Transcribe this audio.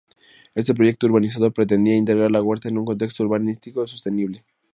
Este proyecto urbanizador pretendía integrar la huerta en un contexto urbanístico sostenible.